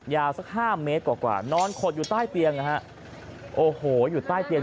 สักห้าเมตรกว่ากว่านอนขดอยู่ใต้เตียงนะฮะโอ้โหอยู่ใต้เตียง